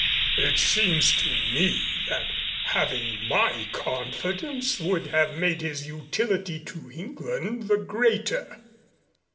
It seems to me that having my confidence would have made his utility to England the greater."